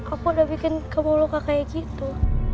aku udah bikin kamu luka kayak gitu